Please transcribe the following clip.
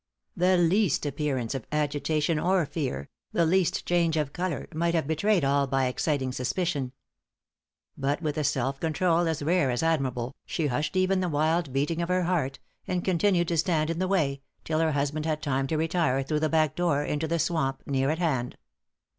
The least appearance of agitation or fear the least change of color might have betrayed all by exciting suspicion. But with a self control as rare as admirable, she hushed even the wild beating of her heart, and continued to stand in the way, till her husband had time to retire through the back door, into the swamp near at hand.